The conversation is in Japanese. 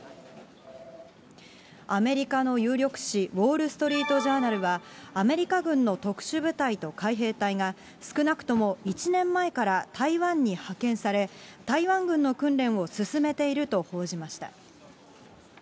アメリカの有力紙、ウオール・ストリート・ジャーナルは、アメリカ軍の特殊部隊と海兵隊が、少なくとも１年前から台湾に派遣され、台湾軍の訓練を進めていると報じました。